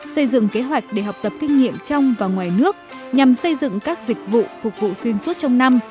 xây dựng kế hoạch để học tập kinh nghiệm trong và ngoài nước nhằm xây dựng các dịch vụ phục vụ xuyên suốt trong năm